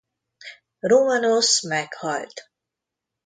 Rómanosz meghalt.